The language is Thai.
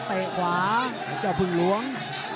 เตะขวาเจ้าพึ่งหลวง